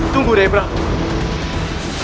tunggu deh ibrahim